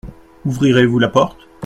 Ouvrirez-vous la porte ?